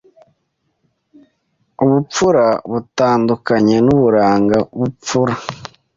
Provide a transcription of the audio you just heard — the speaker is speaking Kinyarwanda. Ubupfura butandukanye n’uburanga b u pfura